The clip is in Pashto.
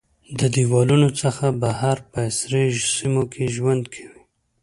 د دیوالونو څخه بهر په عصري سیمو کې ژوند کوي.